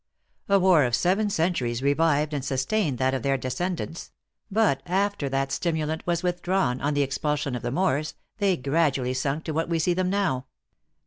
A war of seven centuries revived and sustained that of their descendants ; but, after that stimulant was withdrawn, on the expulsion of the Moors, they grad ually sunk to what we see them now.